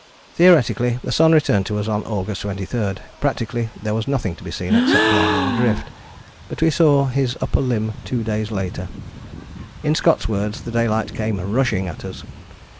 Theoretically the sun returned to us on August 23. Practically there was nothing to be seen except blinding drift. But we saw his upper limb two days later. In Scott's words the daylight came "rushing" at us.